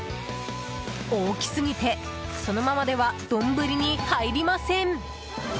大きすぎて、そのままでは丼に入りません。